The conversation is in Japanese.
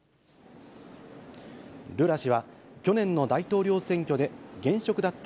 ルラ氏は、去年の大統領選挙で現職だった